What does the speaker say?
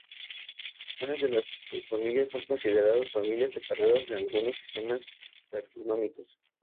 Algunas de las subfamilias son consideradas familias separadas en algunos sistemas taxonómicos.